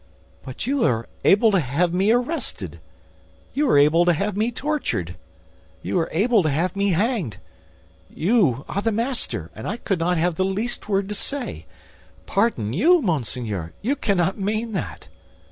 "But you are able to have me arrested, you are able to have me tortured, you are able to have me hanged; you are the master, and I could not have the least word to say. Pardon you, monseigneur! You cannot mean that!"